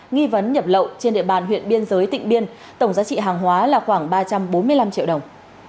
nghi vấn nhập lậu trên địa bàn huyện biên giới tỉnh biên tổng giá trị hàng hóa là khoảng ba trăm bốn mươi năm triệu đồng